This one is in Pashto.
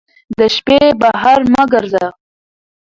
د شپې بهر مه ګرځه